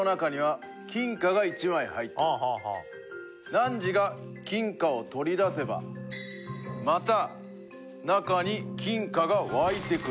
なんじが金貨を取り出せばまた中に金貨が湧いてくる。